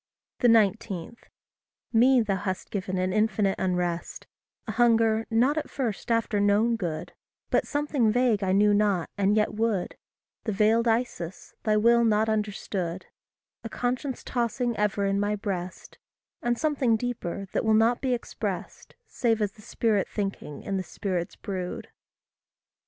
19. Me thou hast given an infinite unrest, A hunger not at first after known good, But something vague I knew not, and yet would The veiled Isis, thy will not understood; A conscience tossing ever in my breast; And something deeper, that will not be expressed, Save as the Spirit thinking in the Spirit's brood.